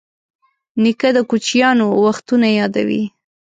نیکه د کوچیانو وختونه یادوي.